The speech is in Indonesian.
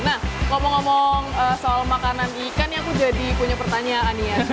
nah ngomong ngomong soal makanan ikan ya aku jadi punya pertanyaan ya